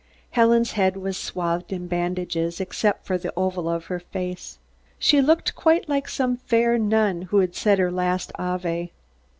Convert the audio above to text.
Helen's head was swathed in bandages, except for the oval of her face. She looked quite like some fair nun who had said her last "Ava."